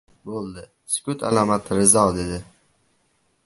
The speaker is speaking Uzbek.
— Bo‘ldi, sukut alomati rizo, — dedi.